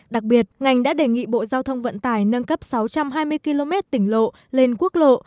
đặc biệt ngành đã đề nghị bộ giao thông vận tải nâng cấp sáu trăm hai mươi km tỉnh lộ lên quốc lộ